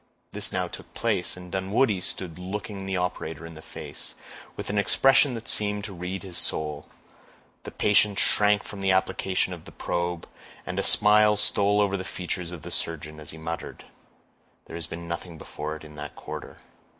This now took place, and Dunwoodie stood looking the operator in the face, with an expression that seemed to read his soul. The patient shrank from the application of the probe, and a smile stole over the features of the surgeon, as he muttered,— "There has been nothing before it in that quarter."